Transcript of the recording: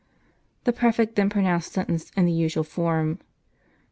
"t The prefect then pronounced sentence in the usual form.